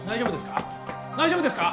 大丈夫ですか？